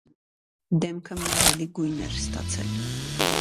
Դեմքը մեռելի գույն էր ստացել.